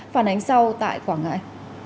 phản ánh sau tại quảng ngãi